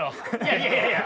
いやいやいや！